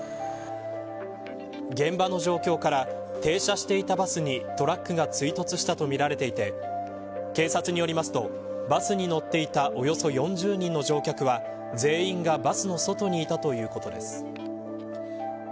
現場の状況から停車していたバスに、トラックが追突したとみられていて警察によりますとバスに乗っていたおよそ４０人の乗客は全員がバスの外にいたということです。